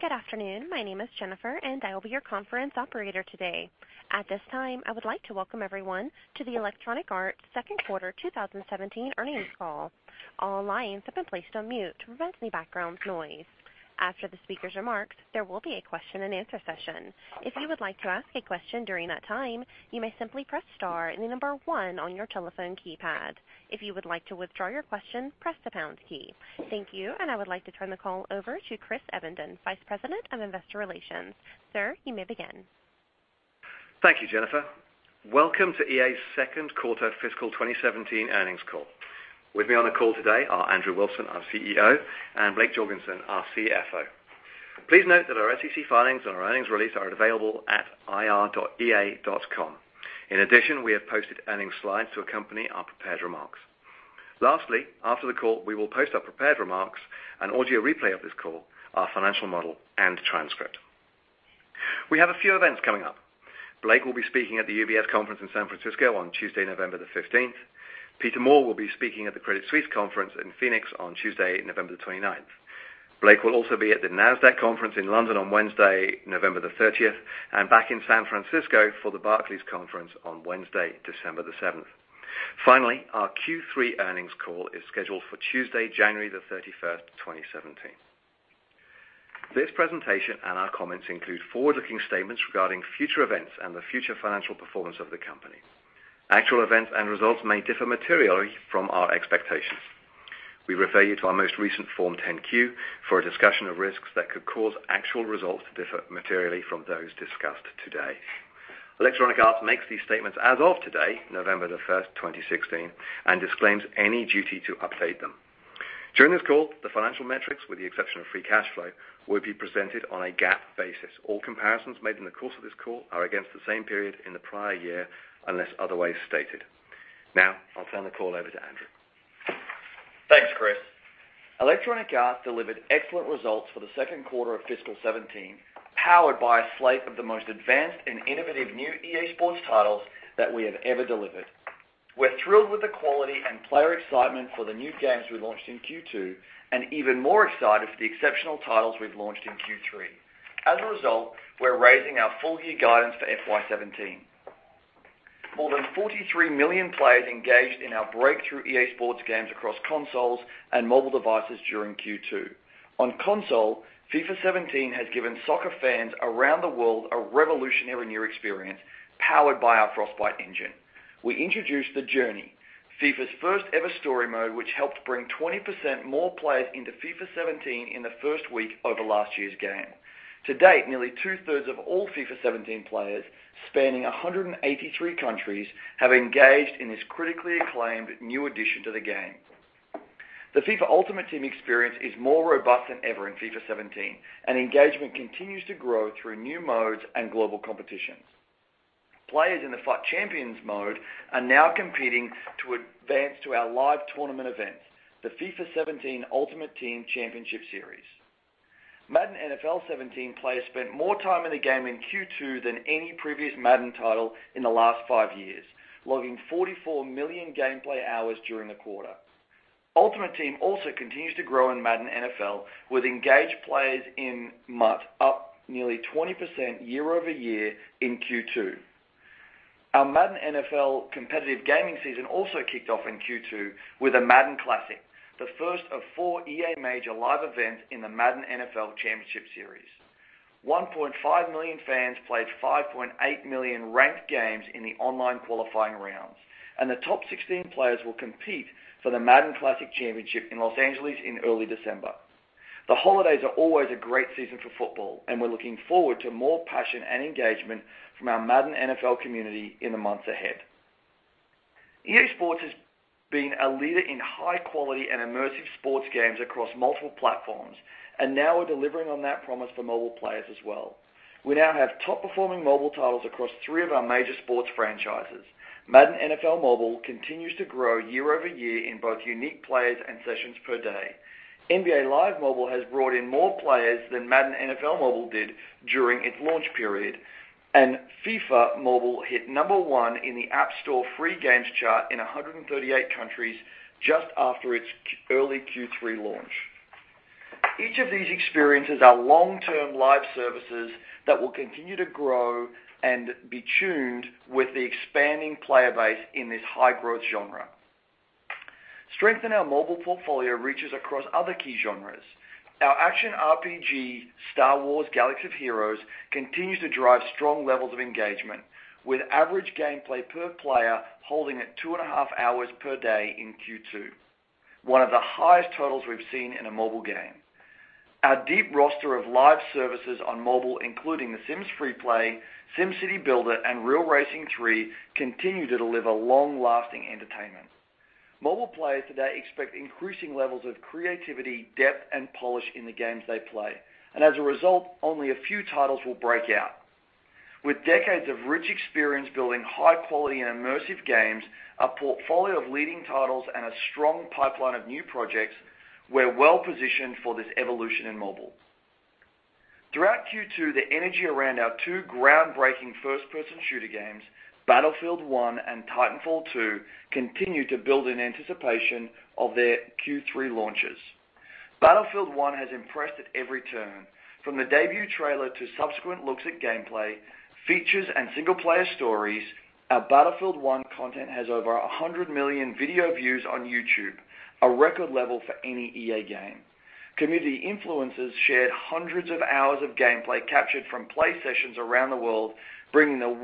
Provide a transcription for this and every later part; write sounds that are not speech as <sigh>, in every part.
Good afternoon. My name is Jennifer, and I will be your conference operator today. At this time, I would like to welcome everyone to the Electronic Arts Second Quarter 2017 Earnings Call. All lines have been placed on mute to prevent any background noise. After the speaker's remarks, there will be a question and answer session. If you would like to ask a question during that time, you may simply press star and the number one on your telephone keypad. If you would like to withdraw your question, press the pound key. Thank you, and I would like to turn the call over to Chris Evenden, Vice President, Investor Relations. Sir, you may begin. Thank you, Jennifer. Welcome to EA's second quarter fiscal 2017 earnings call. With me on the call today are Andrew Wilson, our CEO, and Blake Jorgensen, our CFO. Please note that our SEC filings and our earnings release are available at ir.ea.com. In addition, we have posted earnings slides to accompany our prepared remarks. Lastly, after the call, we will post our prepared remarks, an audio replay of this call, our financial model, and transcript. We have a few events coming up. Blake will be speaking at the UBS conference in San Francisco on Tuesday, November the 15th. Peter Moore will be speaking at the Credit Suisse conference in Phoenix on Tuesday, November the 29th. Blake will also be at the Nasdaq conference in London on Wednesday, November the 30th, and back in San Francisco for the Barclays conference on Wednesday, December the 7th. Finally, our Q3 earnings call is scheduled for Tuesday, January the 31st, 2017. This presentation and our comments include forward-looking statements regarding future events and the future financial performance of the company. Actual events and results may differ materially from our expectations. We refer you to our most recent Form 10-Q for a discussion of risks that could cause actual results to differ materially from those discussed today. Electronic Arts makes these statements as of today, November the 1st, 2016, and disclaims any duty to update them. During this call, the financial metrics, with the exception of free cash flow, will be presented on a GAAP basis. All comparisons made in the course of this call are against the same period in the prior year, unless otherwise stated. Now, I'll turn the call over to Andrew. Thanks, Chris. Electronic Arts delivered excellent results for the second quarter of fiscal 2017, powered by a slate of the most advanced and innovative new EA SPORTS titles that we have ever delivered. We're thrilled with the quality and player excitement for the new games we launched in Q2, and even more excited for the exceptional titles we've launched in Q3. As a result, we're raising our full-year guidance for FY 2017. More than 43 million players engaged in our breakthrough EA SPORTS games across consoles and mobile devices during Q2. On console, FIFA 17 has given soccer fans around the world a revolutionary new experience powered by our Frostbite engine. We introduced The Journey, FIFA's first-ever story mode, which helped bring 20% more players into FIFA 17 in the first week over last year's game. To date, nearly two-thirds of all FIFA 17 players, spanning 183 countries, have engaged in this critically acclaimed new addition to the game. The FIFA Ultimate Team experience is more robust than ever in FIFA 17, and engagement continues to grow through new modes and global competitions. Players in the FUT Champions mode are now competing to advance to our live tournament event, the FIFA 17 Ultimate Team Championship Series. Madden NFL 17 players spent more time in the game in Q2 than any previous Madden title in the last five years, logging 44 million gameplay hours during the quarter. Ultimate Team also continues to grow in Madden NFL, with engaged players in MUT up nearly 20% year-over-year in Q2. Our Madden NFL competitive gaming season also kicked off in Q2 with a Madden Classic, the first of four EA major live events in the Madden NFL Championship Series. 1.5 million fans played 5.8 million ranked games in the online qualifying rounds, the top 16 players will compete for the Madden Classic Championship in L.A. in early December. The holidays are always a great season for football, and we're looking forward to more passion and engagement from our Madden NFL community in the months ahead. EA SPORTS has been a leader in high-quality and immersive sports games across multiple platforms, now we're delivering on that promise for mobile players as well. We now have top-performing mobile titles across three of our major sports franchises. Madden NFL Mobile continues to grow year-over-year in both unique players and sessions per day. NBA LIVE Mobile has brought in more players than Madden NFL Mobile did during its launch period. FIFA Mobile hit number one in the App Store free games chart in 138 countries just after its early Q3 launch. Each of these experiences are long-term live services that will continue to grow and be tuned with the expanding player base in this high-growth genre. Strength in our mobile portfolio reaches across other key genres. Our action RPG, Star Wars: Galaxy of Heroes, continues to drive strong levels of engagement, with average gameplay per player holding at two and a half hours per day in Q2, one of the highest totals we've seen in a mobile game. Our deep roster of live services on mobile, including The Sims FreePlay, SimCity BuildIt, and Real Racing 3, continue to deliver long-lasting entertainment. Mobile players today expect increasing levels of creativity, depth, and polish in the games they play. As a result, only a few titles will break out. With decades of rich experience building high-quality and immersive games, a portfolio of leading titles, and a strong pipeline of new projects, we're well-positioned for this evolution in mobile. Throughout Q2, the energy around our two groundbreaking first-person shooter games, Battlefield 1 and Titanfall 2, continued to build in anticipation of their Q3 launches. Battlefield 1 has impressed at every turn, from the debut trailer to subsequent looks at gameplay, features, and single-player stories. Our Battlefield 1 content has over 100 million video views on YouTube, a record level for any EA game. Community influencers shared hundreds of hours of gameplay captured from play sessions around the world, bringing the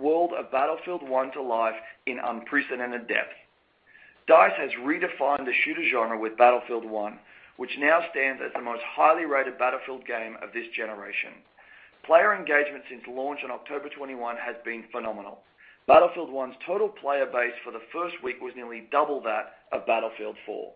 world of Battlefield 1 to life in unprecedented depth. DICE has redefined the shooter genre with Battlefield 1, which now stands as the most highly rated Battlefield game of this generation. Player engagement since launch on October 21 has been phenomenal. Battlefield 1's total player base for the first week was nearly double that of Battlefield 4.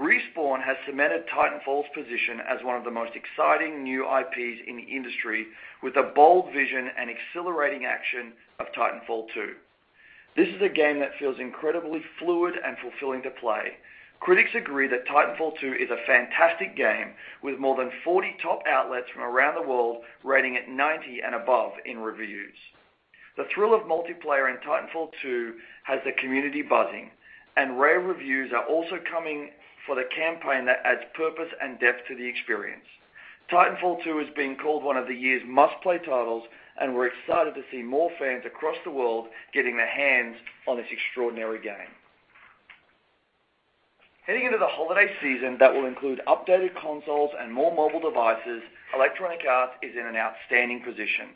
Respawn has cemented Titanfall's position as one of the most exciting new IPs in the industry, with the bold vision and exhilarating action of Titanfall 2. This is a game that feels incredibly fluid and fulfilling to play. Critics agree that Titanfall 2 is a fantastic game, with more than 40 top outlets from around the world rating it 90 and above in reviews. The thrill of multiplayer in Titanfall 2 has the community buzzing, and rave reviews are also coming for the campaign that adds purpose and depth to the experience. Titanfall 2 is being called one of the year's must-play titles, and we're excited to see more fans across the world getting their hands on this extraordinary game. Heading into the holiday season that will include updated consoles and more mobile devices, Electronic Arts is in an outstanding position.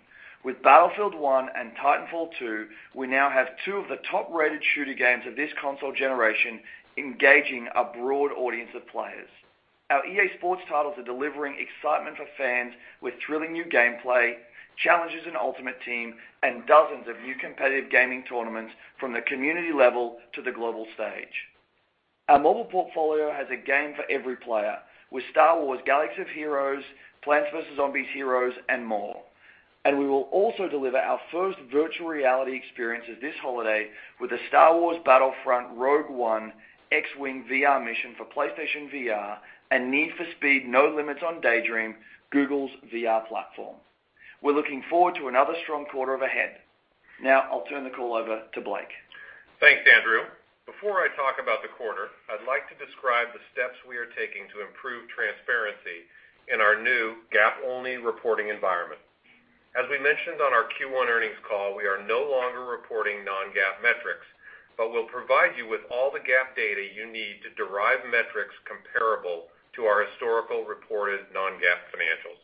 With Battlefield 1 and Titanfall 2, we now have two of the top-rated shooter games of this console generation engaging a broad audience of players. Our EA SPORTS titles are delivering excitement for fans with thrilling new gameplay, challenges in Ultimate Team, and dozens of new competitive gaming tournaments from the community level to the global stage. Our mobile portfolio has a game for every player, with Star Wars: Galaxy of Heroes, Plants vs. Zombies Heroes, and more. We will also deliver our first virtual reality experiences this holiday with the Star Wars Battlefront Rogue One: X-wing VR Mission for PlayStation VR and Need for Speed No Limits on Daydream, Google's VR platform. We're looking forward to another strong quarter ahead. I'll turn the call over to Blake. Thanks, Andrew. Before I talk about the quarter, I'd like to describe the steps we are taking to improve transparency in our new GAAP-only reporting environment. As we mentioned on our Q1 earnings call, we are no longer reporting non-GAAP metrics, but we'll provide you with all the GAAP data you need to derive metrics comparable to our historical reported non-GAAP financials.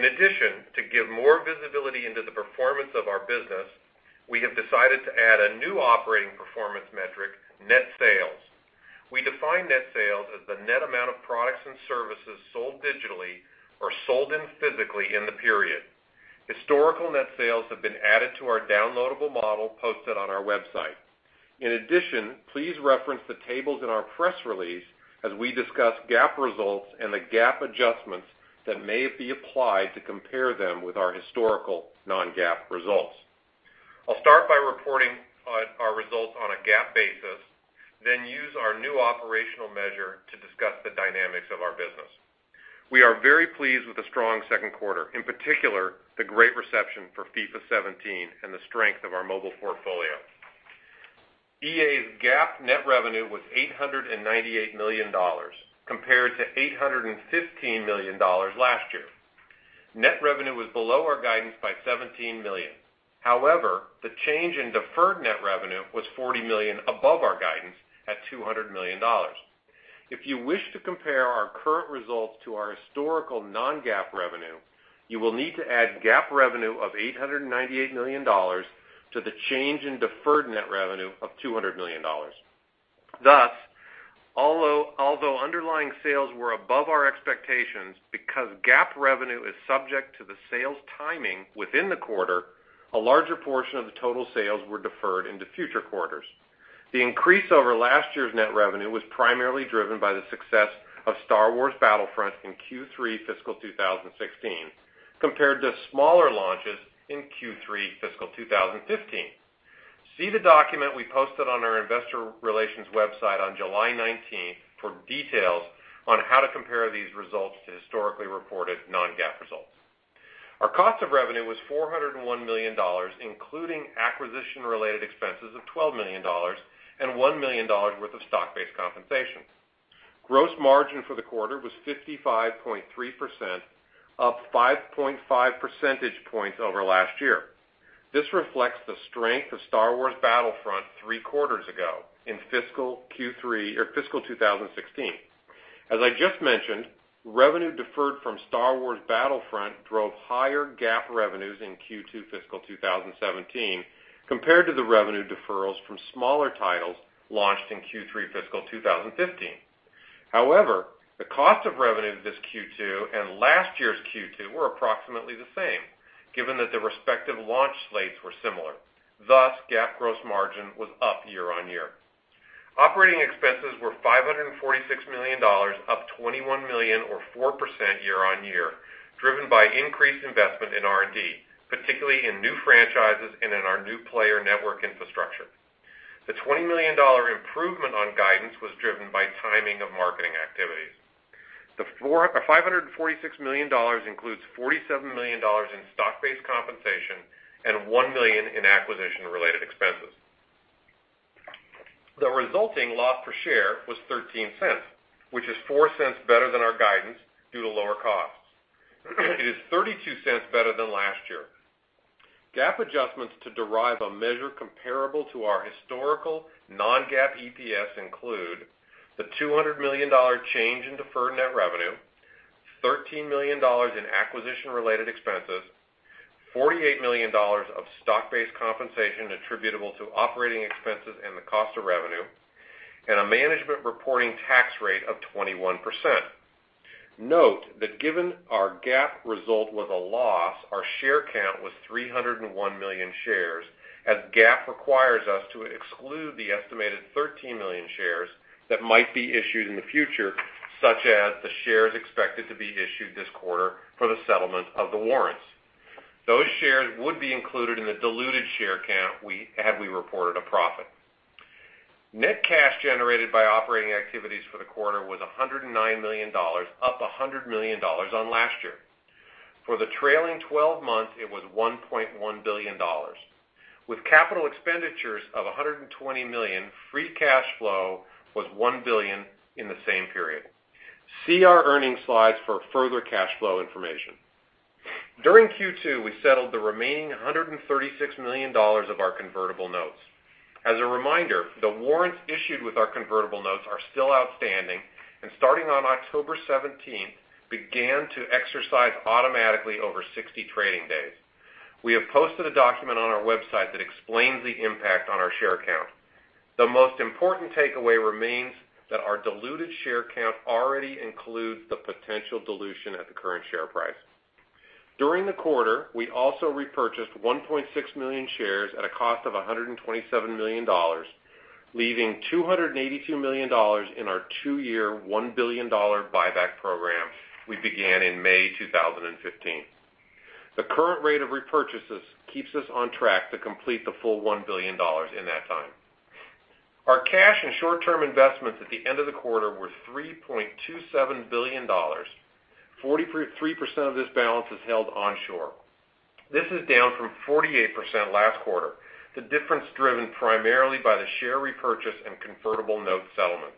To give more visibility into the performance of our business, we have decided to add a new operating performance metric, net sales. We define net sales as the net amount of products and services sold digitally or sold in physically in the period. Historical net sales have been added to our downloadable model posted on our website. Please reference the tables in our press release as we discuss GAAP results and the GAAP adjustments that may be applied to compare them with our historical non-GAAP results. I'll start by reporting our results on a GAAP basis, then use our new operational measure to discuss the dynamics of our business. We are very pleased with the strong second quarter, in particular, the great reception for FIFA 17 and the strength of our mobile portfolio. EA's GAAP net revenue was $898 million compared to $815 million last year. Net revenue was below our guidance by $17 million. However, the change in deferred net revenue was $40 million above our guidance at $200 million. If you wish to compare our current results to our historical non-GAAP revenue, you will need to add GAAP revenue of $898 million to the change in deferred net revenue of $200 million. Although underlying sales were above our expectations, because GAAP revenue is subject to the sales timing within the quarter, a larger portion of the total sales were deferred into future quarters. The increase over last year's net revenue was primarily driven by the success of Star Wars Battlefront in Q3 fiscal 2016, compared to smaller launches in Q3 fiscal 2015. See the document we posted on our investor relations website on July 19 for details on how to compare these results to historically reported non-GAAP results. Our cost of revenue was $401 million, including acquisition-related expenses of $12 million and $1 million worth of stock-based compensation. Gross margin for the quarter was 55.3%, up 5.5 percentage points over last year. This reflects the strength of Star Wars Battlefront three quarters ago in fiscal Q3 or fiscal 2016. As I just mentioned, revenue deferred from Star Wars Battlefront drove higher GAAP revenues in Q2 fiscal 2017 compared to the revenue deferrals from smaller titles launched in Q3 fiscal 2015. The cost of revenue this Q2 and last year's Q2 were approximately the same, given that the respective launch slates were similar. GAAP gross margin was up year-on-year. Operating expenses were $546 million, up $21 million or 4% year-on-year, driven by increased investment in R&D, particularly in new franchises and in our new player network infrastructure. The $20 million improvement on guidance was driven by timing of marketing activity. $546 million includes $47 million in stock-based compensation and $1 million in acquisition-related expenses. The resulting loss per share was $0.13, which is $0.04 better than our guidance due to lower costs. It is $0.32 better than last year. GAAP adjustments to derive a measure comparable to our historical non-GAAP EPS include the $200 million change in deferred net revenue, $13 million in acquisition-related expenses, $48 million of stock-based compensation attributable to operating expenses and the cost of revenue, and a management reporting tax rate of 21%. Note that given our GAAP result was a loss, our share count was 301 million shares, as GAAP requires us to exclude the estimated 13 million shares that might be issued in the future, such as the shares expected to be issued this quarter for the settlement of the warrants. Those shares would be included in the diluted share count had we reported a profit. Net cash generated by operating activities for the quarter was $109 million, up $100 million on last year. For the trailing 12 months, it was $1.1 billion. With capital expenditures of $120 million, free cash flow was $1 billion in the same period. See our earnings slides for further cash flow information. During Q2, we settled the remaining $136 million of our convertible notes. As a reminder, the warrants issued with our convertible notes are still outstanding, and starting on October 17th, began to exercise automatically over 60 trading days. We have posted a document on our website that explains the impact on our share count. The most important takeaway remains that our diluted share count already includes the potential dilution at the current share price. During the quarter, we also repurchased 1.6 million shares at a cost of $127 million, leaving $282 million in our two-year, $1 billion buyback program we began in May 2015. The current rate of repurchases keeps us on track to complete the full $1 billion in that time. Our cash and short-term investments at the end of the quarter were $3.27 billion. 43% of this balance is held onshore. This is down from 48% last quarter. The difference driven primarily by the share repurchase and convertible note settlement.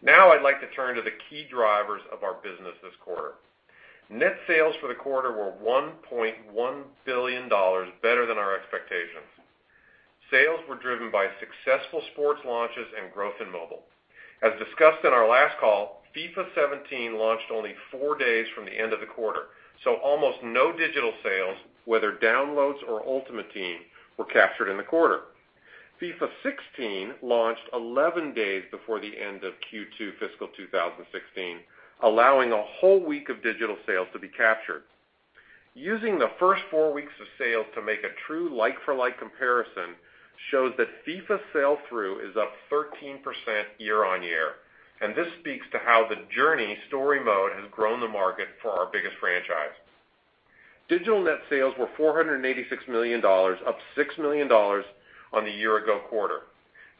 Now I'd like to turn to the key drivers of our business this quarter. Net sales for the quarter were $1.1 billion, better than our expectations. Sales were driven by successful sports launches and growth in mobile. As discussed in our last call, FIFA 17 launched only four days from the end of the quarter, so almost no digital sales, whether downloads or Ultimate Team, were captured in the quarter. FIFA 16 launched 11 days before the end of Q2 fiscal 2016, allowing a whole week of digital sales to be captured. Using the first four weeks of sales to make a true like-for-like comparison shows that FIFA sell-through is up 13% year-on-year. This speaks to how The Journey story mode has grown the market for our biggest franchise. Digital net sales were $486 million, up $6 million on the year-ago quarter.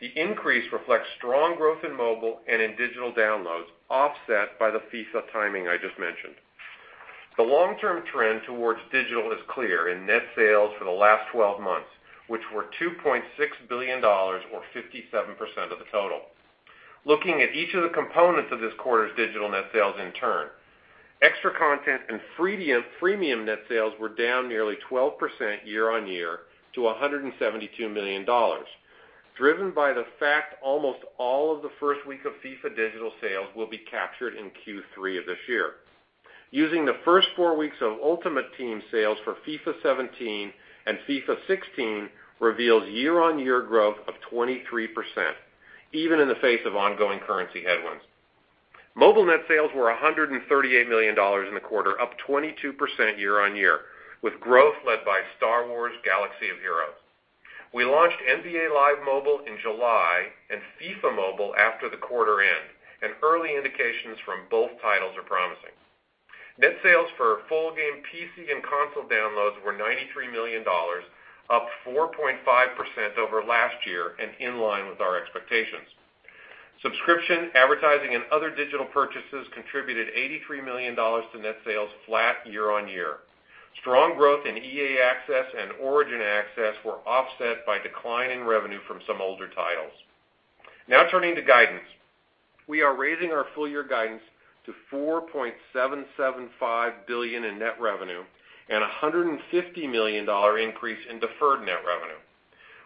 The increase reflects strong growth in mobile and in digital downloads, offset by the FIFA timing I just mentioned. The long-term trend towards digital is clear in net sales for the last 12 months, which were $2.6 billion, or 57% of the total. Looking at each of the components of this quarter's digital net sales in turn. Extra content and freemium net sales were down nearly 12% year-on-year to $172 million, driven by the fact almost all of the first week of FIFA digital sales will be captured in Q3 of this year. Using the first four weeks of Ultimate Team sales for FIFA 17 and FIFA 16 reveals year-on-year growth of 23%, even in the face of ongoing currency headwinds. Mobile net sales were $138 million in the quarter, up 22% year-on-year, with growth led by Star Wars: Galaxy of Heroes. We launched NBA LIVE Mobile in July and FIFA Mobile after the quarter end. Early indications from both titles are promising. Net sales for full game PC and console downloads were $93 million, up 4.5% over last year and in line with our expectations. Subscription, advertising, and other digital purchases contributed $83 million to net sales, flat year-on-year. Strong growth in EA Access and Origin Access were offset by declining revenue from some older titles. Now turning to guidance. We are raising our full year guidance to $4.775 billion in net revenue and $150 million increase in deferred net revenue.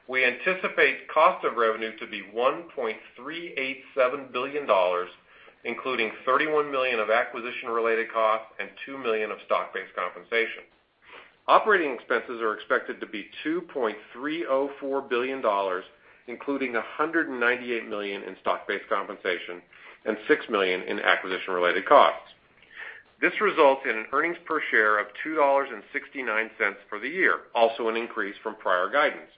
We anticipate cost of revenue to be $1.387 billion, including $31 million of acquisition-related costs and $2 million of stock-based compensation. Operating expenses are expected to be $2.304 billion, including $198 million in stock-based compensation and $6 million in acquisition-related costs. This results in an earnings per share of $2.69 for the year, also an increase from prior guidance.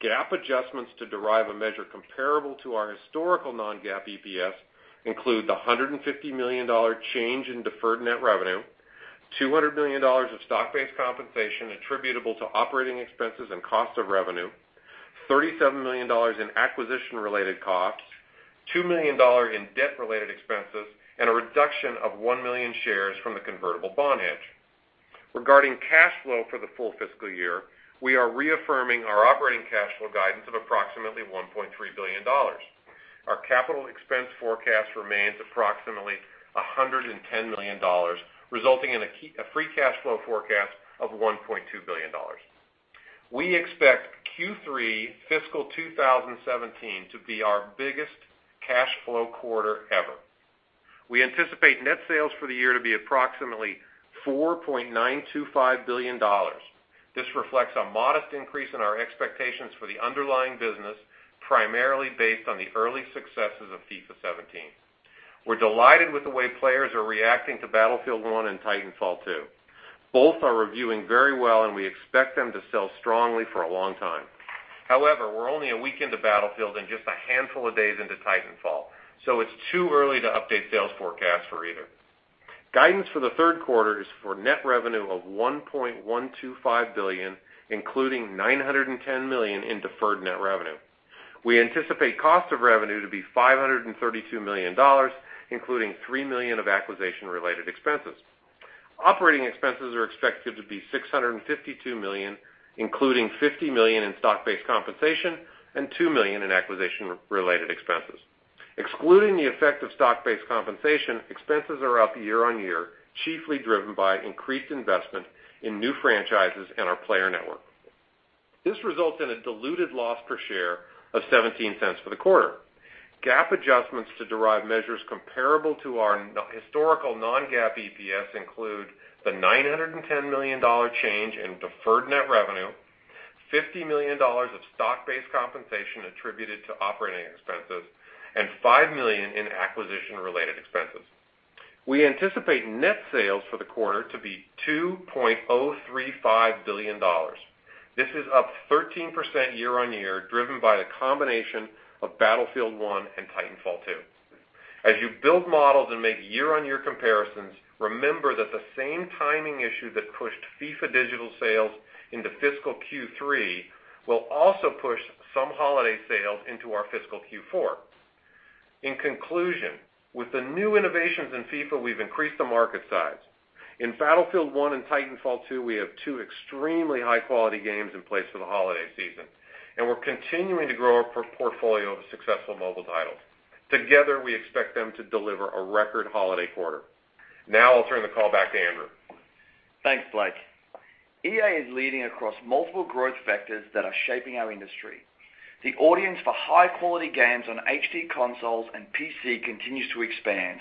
GAAP adjustments to derive a measure comparable to our historical non-GAAP EPS include the $150 million change in deferred net revenue, $200 million of stock-based compensation attributable to operating expenses and cost of revenue, $37 million in acquisition-related costs, $2 million in debt-related expenses, and a reduction of 1 million shares from the convertible bond hedge. Regarding cash flow for the full fiscal year, we are reaffirming our operating cash flow guidance of approximately $1.3 billion. Our capital expense forecast remains approximately $110 million, resulting in a free cash flow forecast of $1.2 billion. We expect Q3 fiscal 2017 to be our biggest cash flow quarter ever. We anticipate net sales for the year to be approximately $4.925 billion. This reflects a modest increase in our expectations for the underlying business, primarily based on the early successes of FIFA 17. We're delighted with the way players are reacting to Battlefield 1 and Titanfall 2. Both are reviewing very well, and we expect them to sell strongly for a long time. However, we're only a week into Battlefield and just a handful of days into Titanfall, so it's too early to update sales forecast for either. Guidance for the third quarter is for net revenue of $1.125 billion, including $910 million in deferred net revenue. We anticipate cost of revenue to be $532 million, including 3 million of acquisition-related expenses. Operating expenses are expected to be $652 million, including $50 million in stock-based compensation and 2 million in acquisition-related expenses. Excluding the effect of stock-based compensation, expenses are up year-on-year, chiefly driven by increased investment in new franchises and our Player Network. This results in a diluted loss per share of $0.17 for the quarter. GAAP adjustments to derive measures comparable to our historical non-GAAP EPS include the $910 million change in deferred net revenue, $50 million of stock-based compensation attributed to operating expenses, and 5 million in acquisition-related expenses. We anticipate net sales for the quarter to be $2.035 billion. This is up 13% year-on-year, driven by the combination of Battlefield 1 and Titanfall 2. As you build models and make year-on-year comparisons, remember that the same timing issue that pushed FIFA digital sales into fiscal Q3 will also push some holiday sales into our fiscal Q4. In conclusion, with the new innovations in FIFA, we've increased the market size. In Battlefield 1 and Titanfall 2, we have two extremely high-quality games in place for the holiday season, and we're continuing to grow our portfolio of successful mobile titles. Together, we expect them to deliver a record holiday quarter. Now I'll turn the call back to Andrew. Thanks, Blake. EA is leading across multiple growth vectors that are shaping our industry. The audience for high-quality games on HD consoles and PC continues to expand.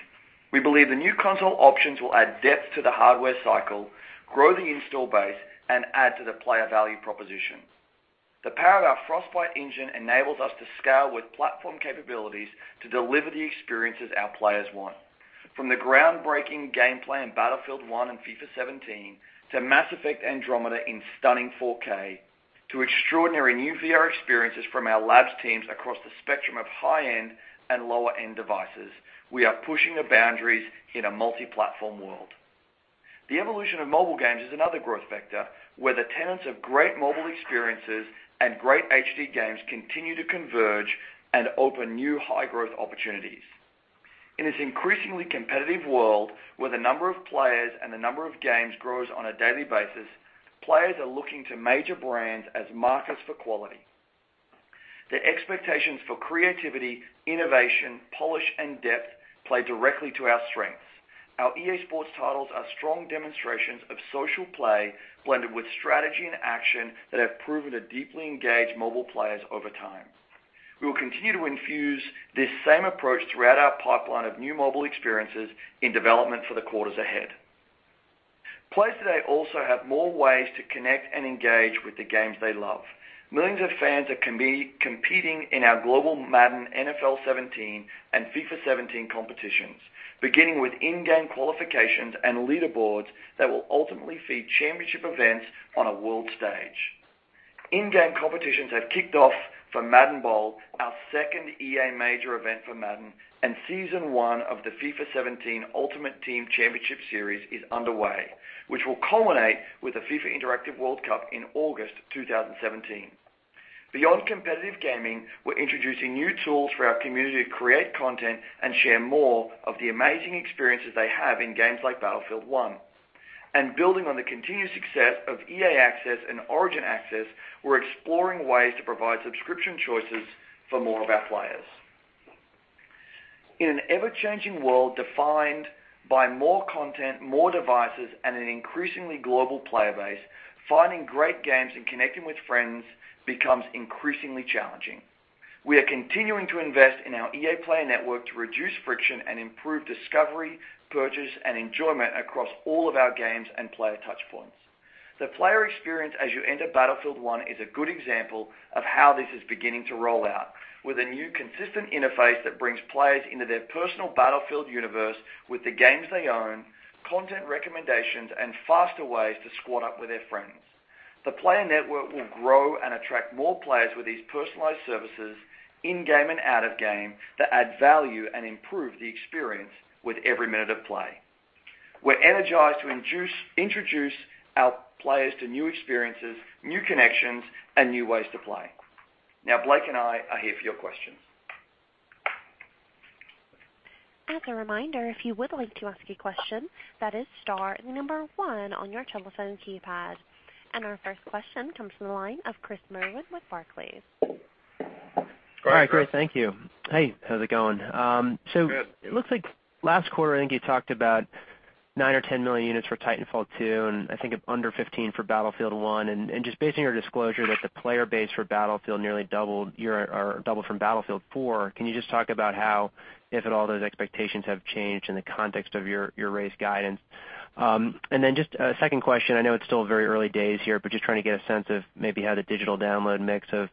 We believe the new console options will add depth to the hardware cycle, grow the install base, and add to the player value proposition. The power of our Frostbite engine enables us to scale with platform capabilities to deliver the experiences our players want. From the groundbreaking gameplay in Battlefield 1 and FIFA 17 to Mass Effect: Andromeda in stunning 4K to extraordinary new VR experiences from our labs teams across the spectrum of high-end and lower-end devices, we are pushing the boundaries in a multi-platform world. The evolution of mobile games is another growth vector where the tenets of great mobile experiences and great HD games continue to converge and open new high-growth opportunities. In this increasingly competitive world, where the number of players and the number of games grows on a daily basis, players are looking to major brands as markers for quality. The expectations for creativity, innovation, polish, and depth play directly to our strengths. Our EA SPORTS titles are strong demonstrations of social play blended with strategy and action that have proven to deeply engage mobile players over time. We will continue to infuse this same approach throughout our pipeline of new mobile experiences in development for the quarters ahead. Players today also have more ways to connect and engage with the games they love. Millions of fans are competing in our Global Madden NFL 17 and FIFA 17 competitions, beginning with in-game qualifications and leaderboards that will ultimately feed championship events on a world stage. In-game competitions have kicked off for Madden Bowl, our second EA Major event for Madden, and Season One of the FIFA 17 Ultimate Team Championship Series is underway, which will culminate with the FIFA Interactive World Cup in August 2017. Beyond competitive gaming, we're introducing new tools for our community to create content and share more of the amazing experiences they have in games like Battlefield 1. Building on the continued success of EA Access and Origin Access, we're exploring ways to provide subscription choices for more of our players. In an ever-changing world defined by more content, more devices, and an increasingly global player base, finding great games and connecting with friends becomes increasingly challenging. We are continuing to invest in our EA Player Network to reduce friction and improve discovery, purchase, and enjoyment across all of our games and player touchpoints. The player experience as you enter Battlefield 1 is a good example of how this is beginning to roll out with a new consistent interface that brings players into their personal Battlefield universe with the games they own, content recommendations, and faster ways to squad up with their friends. The player network will grow and attract more players with these personalized services in-game and out-of-game that add value and improve the experience with every minute of play. We're energized to introduce our players to new experiences, new connections, and new ways to play. Blake and I are here for your questions. As a reminder, if you would like to ask a question, that is star number one on your telephone keypad. Our first question comes from the line of Chris Merwin with Barclays. All right, great. Thank you. Hey, how's it going? Good. It looks like last quarter, I think you talked about 9 or 10 million units for Titanfall 2, I think under 15 for Battlefield 1. Just basing your disclosure that the player base for Battlefield nearly doubled from Battlefield 4, can you just talk about how, if at all, those expectations have changed in the context of your raised guidance? Then just a second question. I know it's still very early days here, but just trying to get a sense of maybe how the digital download mix of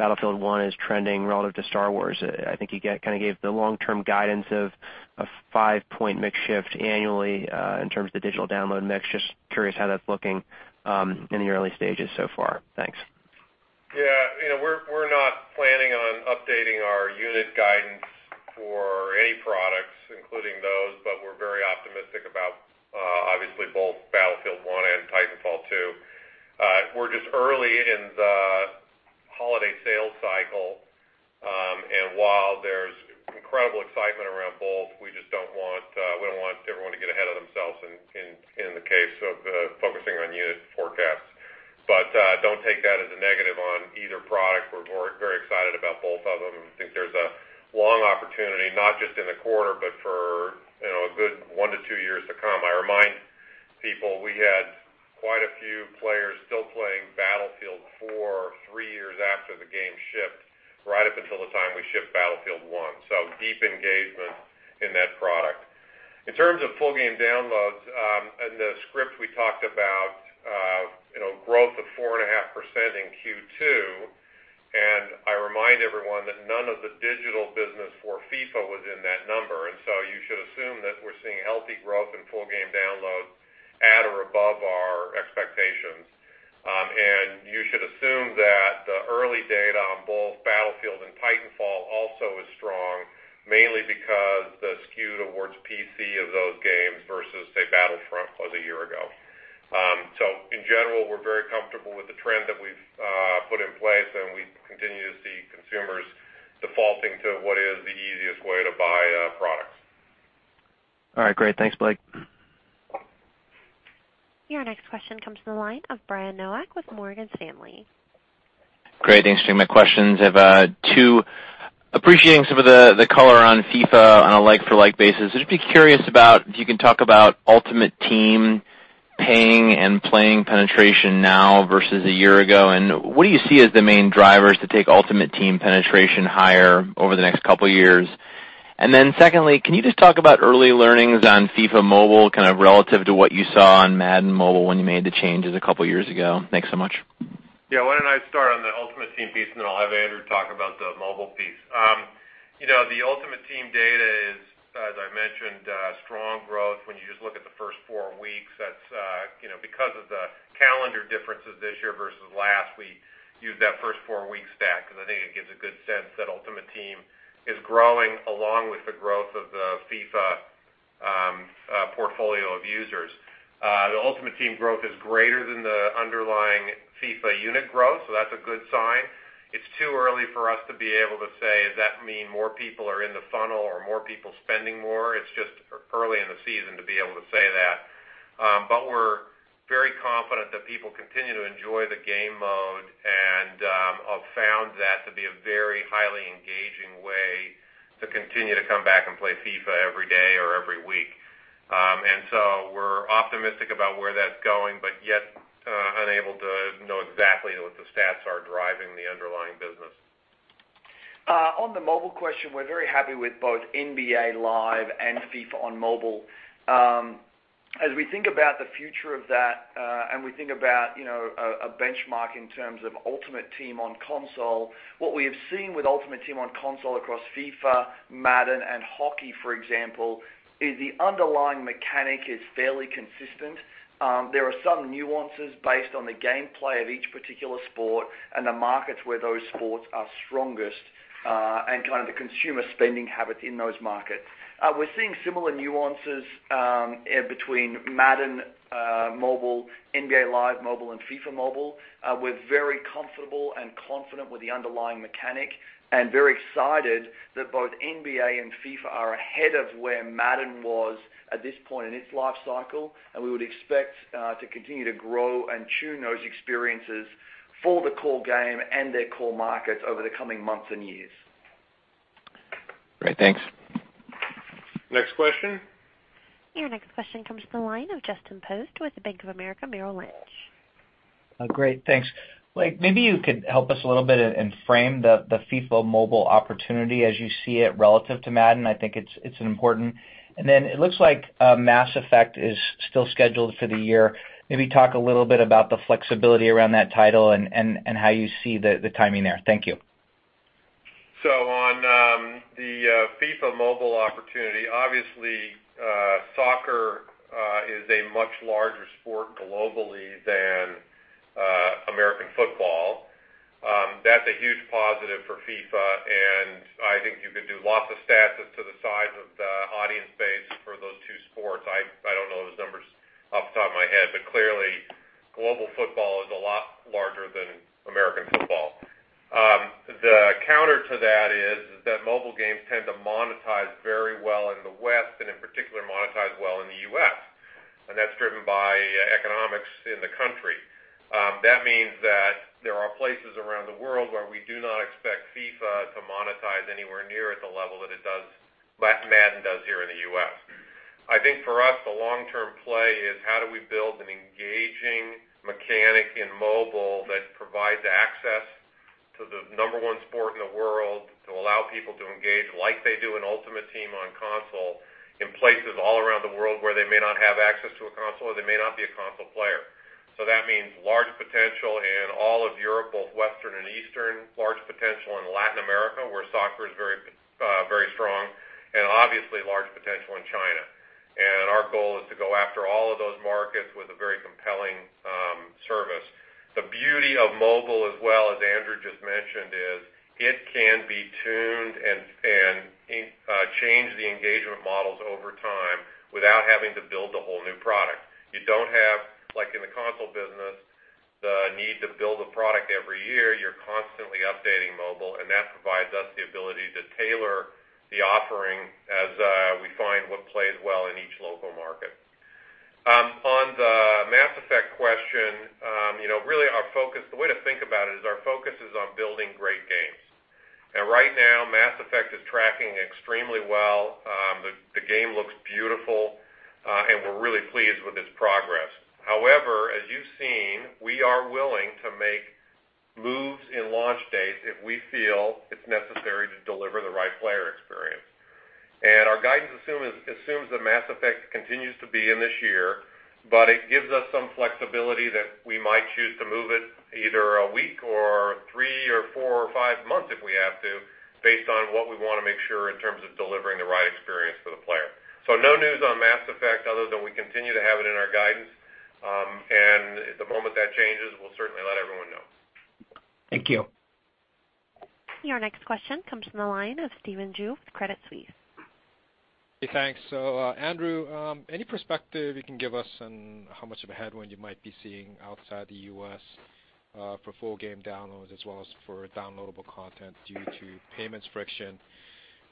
Battlefield 1 is trending relative to Star Wars. I think you kind of gave the long-term guidance of a five-point mix shift annually, in terms of the digital download mix. Just curious how that's looking in the early stages so far. Thanks. Yeah. We're not planning on updating our unit guidance for any products, including those, but we're very optimistic about obviously both Battlefield 1 and Titanfall 2. We're just early in the holiday sales cycle, and while there's incredible excitement around both, we don't want everyone to get ahead of themselves in the case of focusing on unit forecasts. Don't take that as a negative on either product. We're very excited about both of them and think there's a long opportunity, not just in the quarter, but for a good one to two years to come. I remind people we had quite a few players still playing Battlefield 4 three years after the game shipped, right up until the time we shipped Battlefield 1. Deep engagement in that product. In terms of full game downloads, in the script we talked about growth of 4.5% in Q2, I remind everyone that none of the digital business for FIFA was in that number. You should assume that we're seeing healthy growth in full game downloads at or above our expectations. You should assume that the early data on both Battlefield and Titanfall also is strong, mainly because the skew towards PC of those games versus, say, Battlefront was a year ago. In general, we're very comfortable with the trend that we've put in place, and we continue to see consumers defaulting to what is the easiest way to buy products. All right. Great. Thanks, Blake. Your next question comes from the line of Brian Nowak with Morgan Stanley. Great. Thanks for taking my questions. I have two. Appreciating some of the color on FIFA on a like for like basis. I'd just be curious about if you can talk about Ultimate Team paying and playing penetration now versus a year ago. What do you see as the main drivers to take Ultimate Team penetration higher over the next couple of years? Secondly, can you just talk about early learnings on FIFA Mobile, kind of relative to what you saw on Madden Mobile when you made the changes a couple of years ago? Thanks so much. Yeah. Why don't I start on the Ultimate Team piece, then I'll have Andrew talk about the mobile piece. The Ultimate Team data is, as I mentioned, strong growth when you just look at the first four weeks. Because of the calendar differences this year versus last, we used that first four-week stack because I think it gives a good sense that Ultimate Team is growing along with the growth of the FIFA portfolio of users. The Ultimate Team growth is greater than the underlying FIFA unit growth. That's a good sign. It's too early for us to be able to say if that means more people are in the funnel or more people spending more. It's just early in the season to be able to say that. We're very confident that people continue to enjoy the game mode and have found that to be a very highly engaging way to continue to come back and play FIFA every day or every week. We're optimistic about where that's going, yet unable to know exactly what the stats are driving the underlying business. On the mobile question, we're very happy with both NBA LIVE and FIFA on mobile. As we think about the future of that, we think about a benchmark in terms of Ultimate Team on console, what we have seen with Ultimate Team on console across FIFA, Madden, and Hockey, for example, is the underlying mechanic is fairly consistent. There are some nuances based on the gameplay of each particular sport and the markets where those sports are strongest, and kind of the consumer spending habits in those markets. We're seeing similar nuances between Madden Mobile, NBA LIVE Mobile, and FIFA Mobile. We're very comfortable and confident with the underlying mechanic and very excited that both NBA and FIFA are ahead of where Madden was at this point in its life cycle. We would expect to continue to grow and tune those experiences for the core game and their core markets over the coming months and years. Great. Thanks. Next question. Your next question comes from the line of Justin Post with Bank of America Merrill Lynch. Great. Thanks. Blake, maybe you could help us a little bit and frame the FIFA Mobile opportunity as you see it relative to Madden. I think it's important. It looks like Mass Effect is still scheduled for the year. Maybe talk a little bit about the flexibility around that title and how you see the timing there. Thank you. On the FIFA Mobile opportunity, obviously soccer is a much larger sport globally than American football. That's a huge positive for FIFA, and I think you could do lots of stats as to the size of the audience base for those two sports. I don't know those numbers off the top of my head, but clearly, global football is a lot larger than American football. The counter to that is that mobile games tend to monetize very well in the West, and in particular, monetize well in the U.S., and that's driven by economics in the country. That means that there are places around the world where we do not expect FIFA to monetize anywhere near at the level that Madden does here in the U.S. I think for us, the long-term play is how do we build an engaging mechanic in mobile that provides access to the number one sport in the world to allow people to engage like they do in Ultimate Team on console in places all around the world where they may not have access to a console, or they may not be a console player. That means large potential in all of Europe, both Western and Eastern, large potential in Latin America, where soccer is very strong, and obviously large potential in China. Our goal is to go after all of those markets with a very compelling service. The beauty of mobile as well, as Andrew just mentioned, is it can be tuned and change the engagement models over time without having to build a whole new product. You don't have, like in the console business, the need to build a product every year. You're constantly updating mobile, and that provides us the ability to tailor the offering as we find what plays well in each local market. On the Mass Effect question, the way to think about it is our focus is on building great games. Right now Mass Effect is tracking extremely well. The game looks beautiful, and we're really pleased with its progress. However, as you've seen, we are willing to make moves in launch dates if we feel it's necessary to deliver the right player experience. Our guidance assumes that Mass Effect continues to be in this year, but it gives us some flexibility that we might choose to move it either a week or three or four or five months if we have to, based on what we want to make sure in terms of delivering the right experience for the player. No news on Mass Effect other than we continue to have it in our guidance. The moment that changes, we'll certainly let everyone know. Thank you. Your next question comes from the line of Stephen Ju with Credit Suisse. Hey, thanks. Andrew, any perspective you can give us on how much of a headwind you might be seeing outside the U.S. for full game downloads as well as for downloadable content due to payments friction?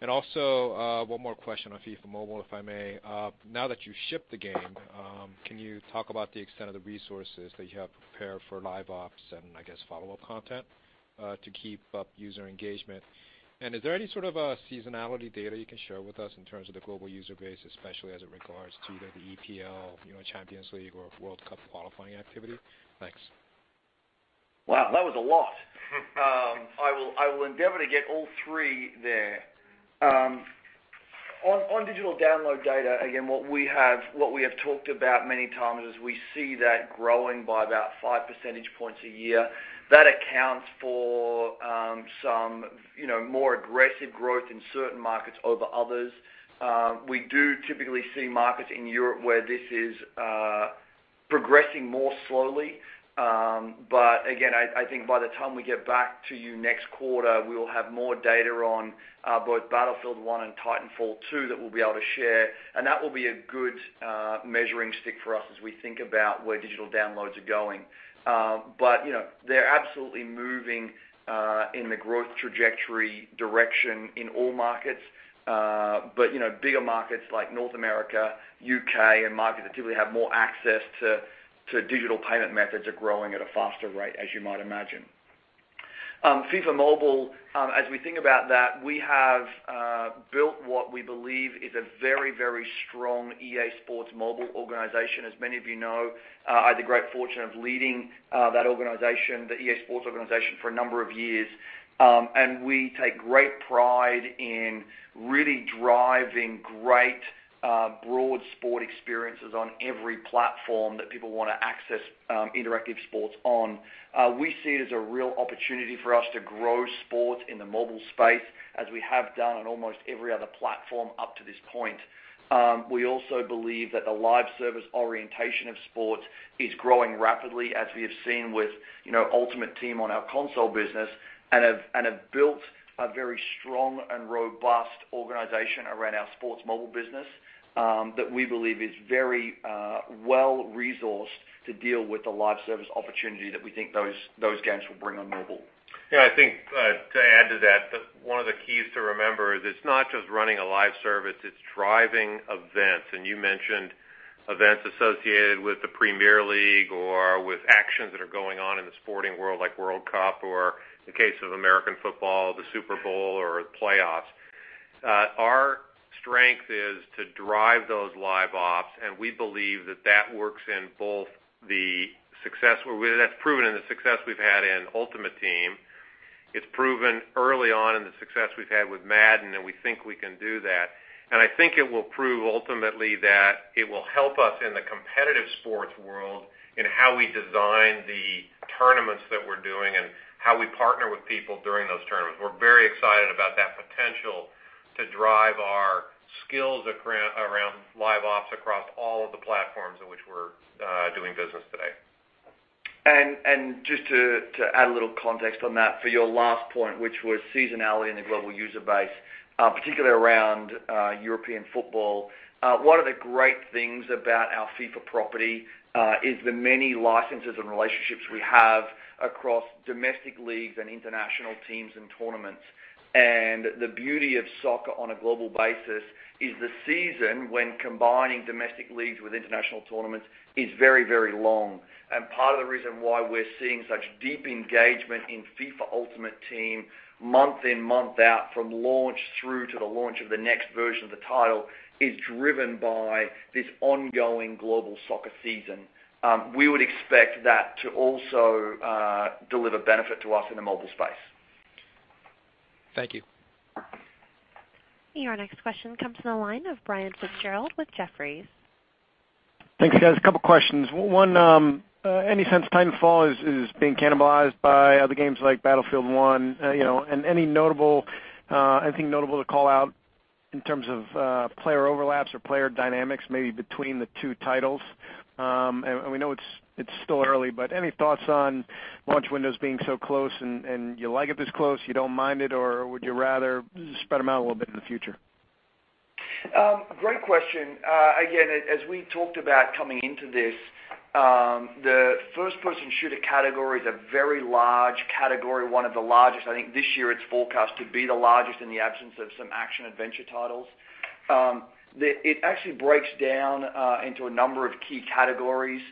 Also, one more question on FIFA Mobile, if I may. Now that you've shipped the game, can you talk about the extent of the resources that you have prepared for live ops and I guess follow-up content to keep up user engagement? Is there any sort of seasonality data you can share with us in terms of the global user base, especially as it regards to either the EPL, Champions League or World Cup qualifying activity? Thanks. Wow, that was a lot. I will endeavor to get all three there. On digital download data, again, what we have talked about many times is we see that growing by about five percentage points a year. That accounts for some more aggressive growth in certain markets over others. We do typically see markets in Europe where this is progressing more slowly. Again, I think by the time we get back to you next quarter, we will have more data on both Battlefield 1 and Titanfall 2 that we'll be able to share, and that will be a good measuring stick for us as we think about where digital downloads are going. They're absolutely moving in the growth trajectory direction in all markets. Bigger markets like North America, U.K., and markets that typically have more access to digital payment methods are growing at a faster rate, as you might imagine. FIFA Mobile, as we think about that, we have built what we believe is a very strong EA SPORTS mobile organization. As many of you know, I had the great fortune of leading that organization, the EA SPORTS organization, for a number of years. We take great pride in really driving great broad sport experiences on every platform that people want to access interactive sports on. We see it as a real opportunity for us to grow sports in the mobile space as we have done on almost every other platform up to this point. We also believe that the live service orientation of sports is growing rapidly as we have seen with Ultimate Team on our console business and have built a very strong and robust organization around our sports mobile business that we believe is very well resourced to deal with the live service opportunity that we think those games will bring on mobile. Yeah, I think to add to that, one of the keys to remember is it's not just running a live service, it's driving events. You mentioned events associated with the Premier League or with actions that are going on in the sporting world like World Cup or in the case of American football, the Super Bowl or the playoffs. Our strength is to drive those live ops, and we believe that works in both the success where that's proven and the success we've had in Ultimate Team. It's proven early on in the success we've had with Madden, and we think we can do that. I think it will prove ultimately that it will help us in the competitive sports world in how we design the tournaments that we're doing and how we partner with people during those tournaments. We're very excited about that potential to drive our Skills around live ops across all of the platforms in which we're doing business today. Just to add a little context on that, for your last point, which was seasonality in the global user base, particularly around European football. One of the great things about our FIFA property is the many licenses and relationships we have across domestic leagues and international teams and tournaments. The beauty of soccer on a global basis is the season, when combining domestic leagues with international tournaments, is very long. Part of the reason why we're seeing such deep engagement in FIFA Ultimate Team month in, month out, from launch through to the launch of the next version of the title, is driven by this ongoing global soccer season. We would expect that to also deliver benefit to us in the mobile space. Thank you. Your next question comes from the line of Brian Fitzgerald with Jefferies. Thanks, guys. A couple questions. One, any sense Titanfall is being cannibalized by other games like Battlefield 1? Anything notable to call out in terms of player overlaps or player dynamics, maybe between the two titles? We know it's still early, but any thoughts on launch windows being so close and you like it this close, you don't mind it, or would you rather spread them out a little bit in the future? Great question. As we talked about coming into this, the first-person shooter category is a very large category, one of the largest. I think this year it's forecast to be the largest in the absence of some action-adventure titles. It actually breaks down into a number of key categories.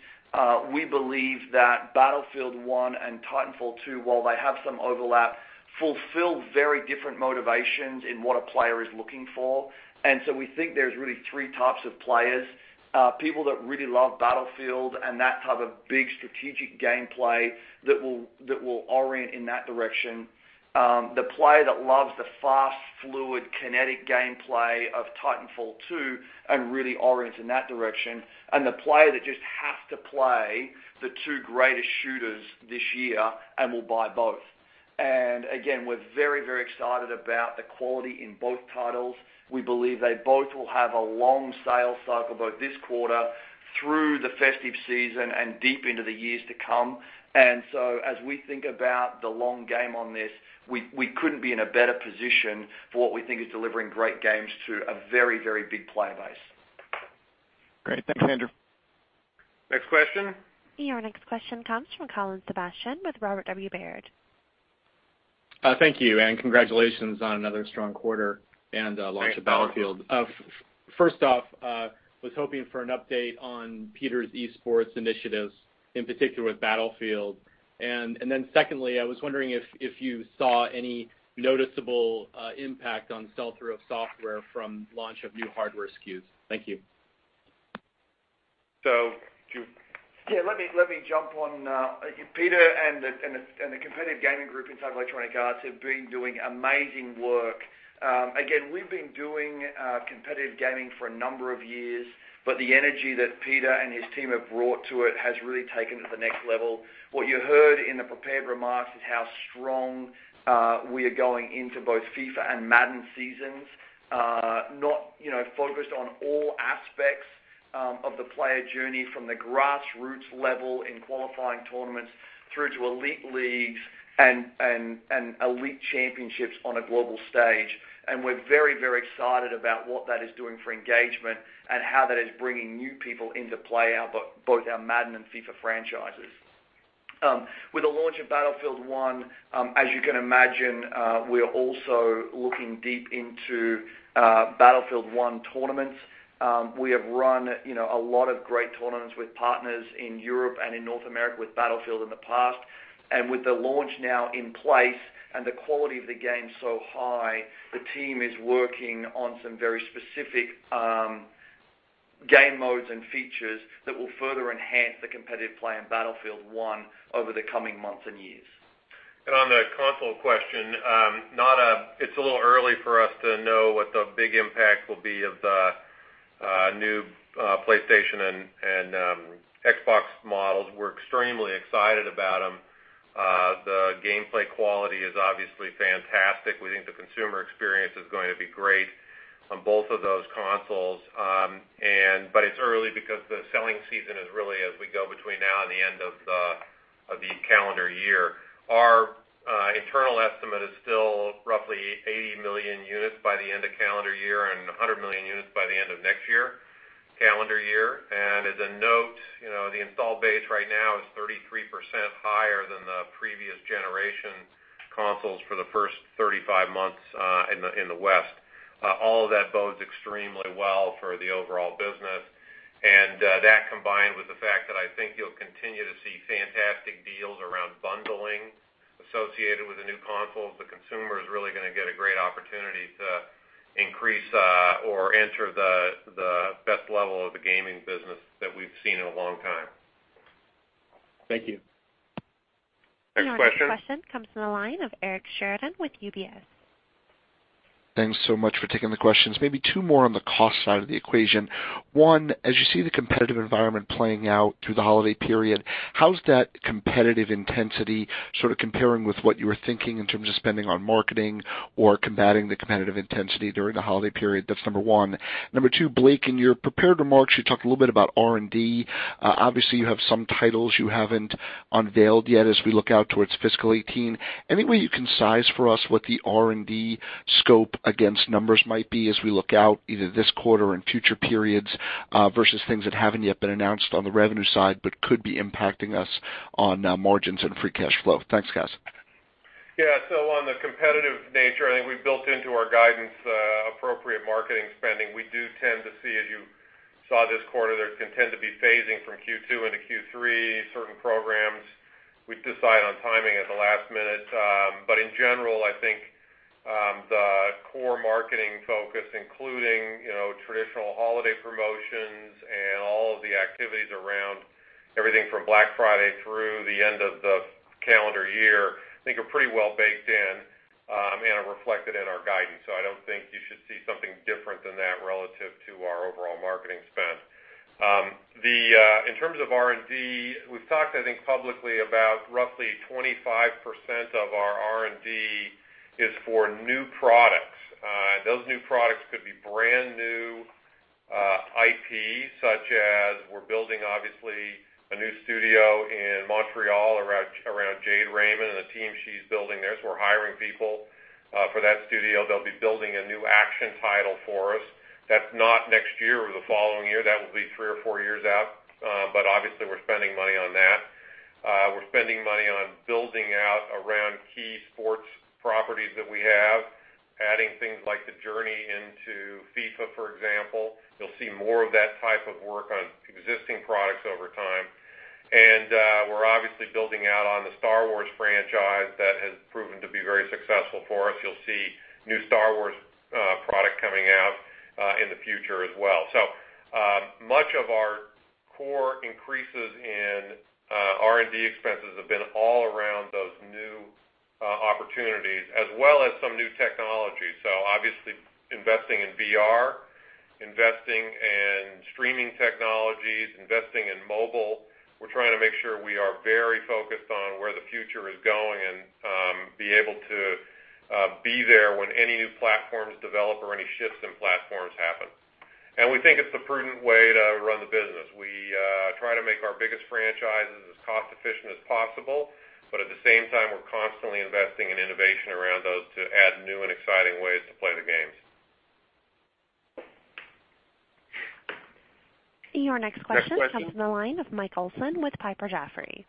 We believe that Battlefield 1 and Titanfall 2, while they have some overlap, fulfill very different motivations in what a player is looking for. We think there's really 3 types of players. People that really love Battlefield and that type of big strategic gameplay that will orient in that direction. The player that loves the fast, fluid, kinetic gameplay of Titanfall 2 and really orients in that direction. The player that just has to play the two greatest shooters this year and will buy both. Again, we're very excited about the quality in both titles. We believe they both will have a long sales cycle, both this quarter through the festive season and deep into the years to come. As we think about the long game on this, we couldn't be in a better position for what we think is delivering great games to a very big player base. Great. Thanks, Andrew. Next question. Your next question comes from Colin Sebastian with Robert W. Baird. Thank you. Congratulations on another strong quarter and launch of Battlefield. Thanks, Colin. First off, I was hoping for an update on Peter's esports initiatives, in particular with Battlefield. Secondly, I was wondering if you saw any noticeable impact on sell-through of software from launch of new hardware SKUs. Thank you. Do you- Yeah, let me jump on. Peter and the competitive gaming group inside Electronic Arts have been doing amazing work. Again, we've been doing competitive gaming for a number of years, but the energy that Peter and his team have brought to it has really taken it to the next level. What you heard in the prepared remarks is how strong we are going into both FIFA and Madden seasons. Focused on all aspects of the player journey from the grassroots level in qualifying tournaments through to elite leagues and elite championships on a global stage. We're very excited about what that is doing for engagement and how that is bringing new people into play, both our Madden and FIFA franchises. With the launch of Battlefield 1, as you can imagine, we are also looking deep into Battlefield 1 tournaments. We have run a lot of great tournaments with partners in Europe and in North America with Battlefield in the past. With the launch now in place and the quality of the game so high, the team is working on some very specific game modes and features that will further enhance the competitive play in Battlefield 1 over the coming months and years. On the console question, it's a little early for us to know what the big impact will be of the new PlayStation and Xbox models. We're extremely excited about them. The gameplay quality is obviously fantastic. We think the consumer experience is going to be great on both of those consoles. It's early because the selling season is really as we go between now and the end of the calendar year. Our internal estimate is still roughly 80 million units by the end of calendar year and 100 million units by the end of next calendar year. As a note, the install base right now is 33% higher than the previous generation consoles for the first 35 months in the West. All of that bodes extremely well for the overall business. That combined with the fact that I think you'll continue to see fantastic deals around bundling associated with the new consoles. The consumer is really going to get a great opportunity to increase or enter the best level of the gaming business that we've seen in a long time. Thank you. Your next question comes from the line of Eric Sheridan with UBS. Thanks so much for taking the questions. Maybe two more on the cost side of the equation. One, as you see the competitive environment playing out through the holiday period, how's that competitive intensity sort of comparing with what you were thinking in terms of spending on marketing or combating the competitive intensity during the holiday period? That's number 1. Number 2, Blake, in your prepared remarks, you talked a little bit about R&D. Obviously you have some titles you haven't unveiled yet as we look out towards fiscal 2018. Any way you can size for us what the R&D scope against numbers might be as we look out either this quarter or in future periods, versus things that haven't yet been announced on the revenue side but could be impacting us on margins and free cash flow? Thanks, guys. Yeah. On the competitive nature, I think we've built into our guidance appropriate marketing spending. We do tend to see, as you saw this quarter, there can tend to be phasing from Q2 into Q3, certain programs. We decide on timing at the last minute. In general, I think, the core marketing focus, including traditional holiday promotions and all of the activities around everything from Black Friday through the end of the calendar year, I think, are pretty well baked in and are reflected in our guidance. I don't think you should see something different than that relative to our overall marketing spend. In terms of R&D, we've talked, I think, publicly about roughly 25% of our R&D is for new products. Those new products could be brand new IP, such as we're building, obviously, a new studio in Montreal around Jade Raymond and the team she's building there. We're hiring people for that studio. They'll be building a new action title for us. That's not next year or the following year. That will be three or four years out. Obviously we're spending money on that. We're spending money on building out around key sports properties that we have, adding things like The Journey into FIFA, for example. You'll see more of that type of work on existing products over time. We're obviously building out on the Star Wars franchise that has proven to be very successful for us. You'll see new Star Wars product coming out in the future as well. Much of our core increases in R&D expenses have been all around those new opportunities as well as some new technology. Obviously investing in VR, investing in streaming technologies, investing in mobile. We're trying to make sure we are very focused on where the future is going and be able to be there when any new platforms develop or any shifts in platforms happen. We think it's a prudent way to run the business. We try to make our biggest franchises as cost efficient as possible, at the same time, we're constantly investing in innovation around those to add new and exciting ways to play the games. Your next question comes from the line of Mike Olson with Piper Jaffray.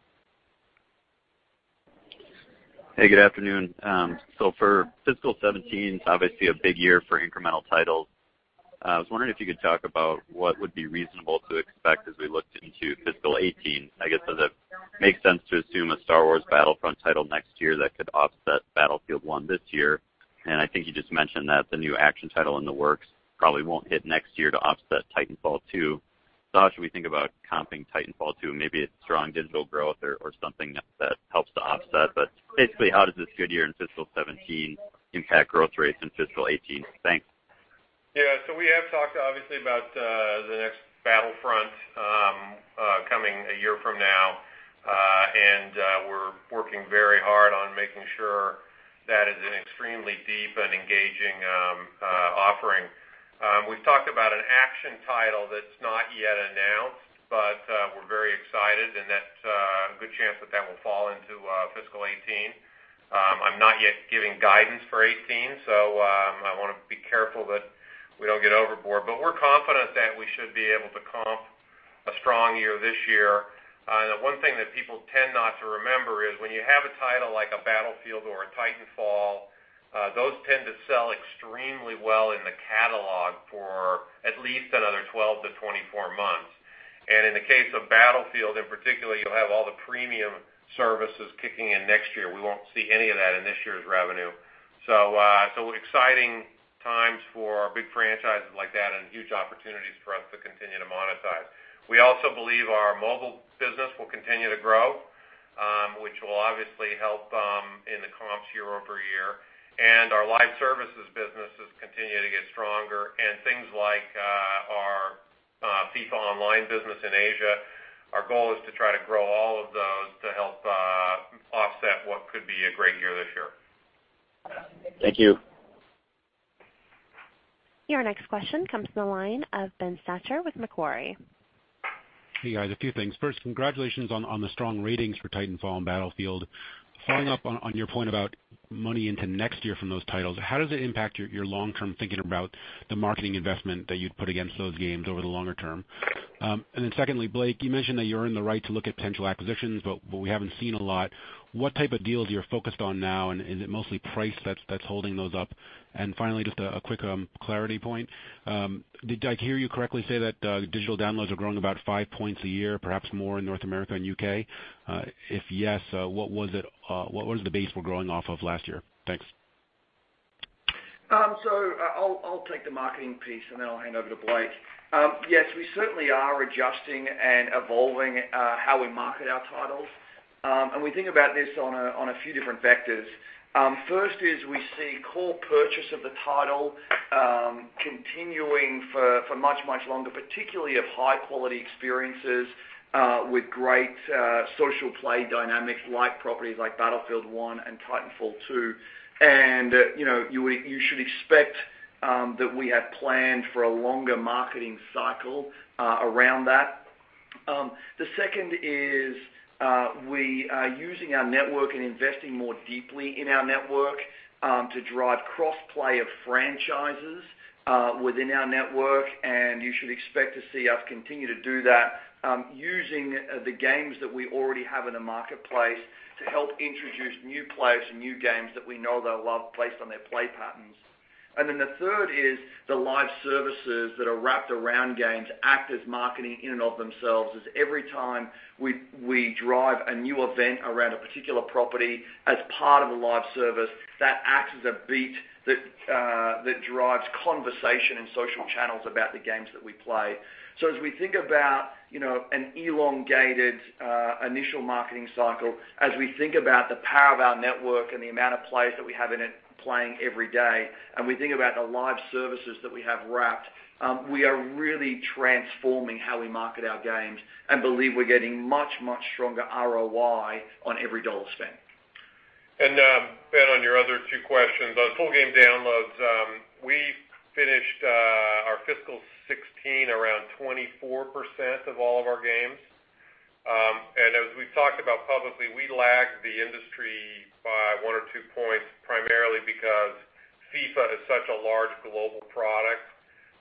Good afternoon. For fiscal 2017, it's obviously a big year for incremental titles. I was wondering if you could talk about what would be reasonable to expect as we looked into fiscal 2018. I guess, does it make sense to assume a Star Wars: Battlefront title next year that could offset Battlefield 1 this year? I think you just mentioned that the new action title in the works probably won't hit next year to offset Titanfall 2. How should we think about comping Titanfall 2? Maybe it's strong digital growth or something that helps to offset. Basically how does this good year in fiscal 2017 impact growth rates in fiscal 2018? Thanks. Yeah. We have talked obviously about the next Battlefront coming a year from now. We're working very hard on making sure that is an extremely deep and engaging offering. We've talked about an action title that's not yet announced, but we're very excited and that's a good chance that that will fall into fiscal 2018. I'm not yet giving guidance for 2018, I want to be careful that we don't get overboard. We're confident that we should be able to comp a strong year this year. One thing that people tend not to remember is when you have a title like a Battlefield or a Titanfall, those tend to sell extremely well in the catalog for at least another 12 to 24 months. In the case of Battlefield in particular, you'll have all the premium services kicking in next year. We won't see any of that in this year's revenue. Exciting times for big franchises like that and huge opportunities for us to continue to monetize. We also believe our mobile business will continue to grow, which will obviously help in the comps year-over-year. Our live services business is continuing to get stronger and things like our FIFA Online business in Asia. Our goal is to try to grow all of those to help offset what could be a great year this year. Thank you. Your next question comes from the line of Ben Schachter with Macquarie. Hey, guys. A few things. First, congratulations on the strong ratings for Titanfall and Battlefield. Following up on your point about money into next year from those titles, how does it impact your long-term thinking about the marketing investment that you'd put against those games over the longer term? Secondly, Blake, you mentioned that you're in the right to look at potential acquisitions, but we haven't seen a lot. What type of deals are you focused on now, and is it mostly price that's holding those up? Finally, just a quick clarity point. Did I hear you correctly say that digital downloads are growing about 5 points a year, perhaps more in North America and U.K.? If yes, what was the base we're growing off of last year? Thanks. I'll take the marketing piece, and then I'll hand over to Blake. Yes, we certainly are adjusting and evolving how we market our titles. We think about this on a few different vectors. First is we see core purchase of the title continuing for much longer, particularly of high-quality experiences with great social play dynamics, like properties like Battlefield 1 and Titanfall 2. You should expect that we have planned for a longer marketing cycle around that. The second is we are using our network and investing more deeply in our network to drive cross-play of franchises within our network. You should expect to see us continue to do that using the games that we already have in the marketplace to help introduce new players and new games that we know they'll love based on their play patterns. The third is the live services that are wrapped around games act as marketing in and of themselves, as every time we drive a new event around a particular property as part of a live service, that acts as a beat that drives conversation in social channels about the games that we play. As we think about an elongated initial marketing cycle, as we think about the power of our network and the amount of players that we have in it playing every day, and we think about the live services that we have wrapped, we are really transforming how we market our games and believe we're getting much stronger ROI on every dollar spent. Ben, on your other two questions, on full game downloads, we finished our fiscal 2016 around 24% of all of our games. As we've talked about publicly, we lag the industry by one or two points, primarily because FIFA is such a large global product.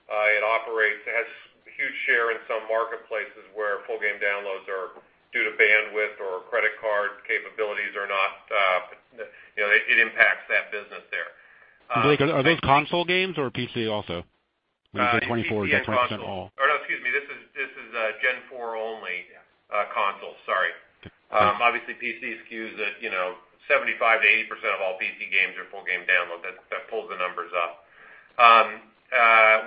It has a huge share in some marketplaces where full game downloads are due to bandwidth or credit card capabilities. It impacts that business there. Blake, are those console games or PC also? When you say 24%-25% all. PC and console. No, excuse me, this is Gen 4 only. Yes console. Sorry. Obviously PC skews it. 75%-80% of all PC games are full game download. That pulls the numbers up.